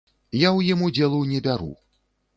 Я ў ім удзелу не бяру!